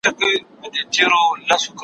د لېوه ستونی فارغ سو له هډوکي